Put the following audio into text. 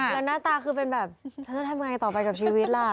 แล้วหน้าตาคือเป็นแบบฉันจะทำไงต่อไปกับชีวิตล่ะ